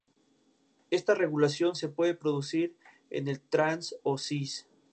Esta regulación se puede producir en el trans o en cis.